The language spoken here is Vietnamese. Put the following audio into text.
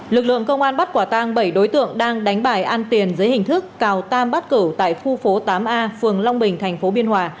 lực lượng công an bắt quả tang bảy đối tượng đang đánh bài ăn tiền dưới hình thức cào tam bắt cử tại khu phố tám a phường long bình tp biên hòa